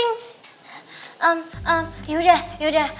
eh eh yaudah yaudah